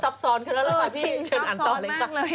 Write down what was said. ซับซ้อนแม่งเลย